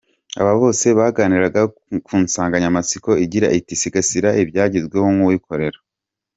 Aba bose baganiraga ku nsanganyamatsiko igira iti "Sigasira ibyagezweho nk'uwikorera.